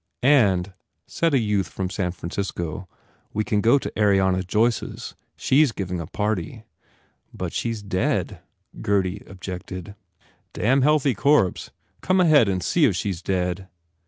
u And," said a youth from San Francisco, "we can go to Ariana Joyce s. She s giving a party." "But she s dead," Gurdy objected. 1 08 M A R G O T "Damn healthy corpse! Come ahead and see if she s dead!"